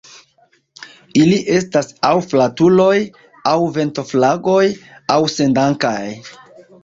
Ili estas aŭ flatuloj, aŭ ventoflagoj, aŭ sendankaj.